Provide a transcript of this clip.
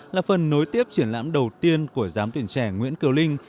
là phần nối tiếp triển lãm đầu tiên của giám tuyển trẻ nguyễn kiều linh